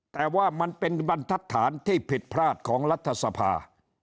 แต่ว่ามันเป็นบรรทัศน์ที่ผิดพลาดของรัฐสภา